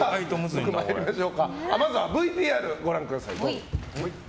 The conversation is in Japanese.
まずはＶＴＲをご覧ください。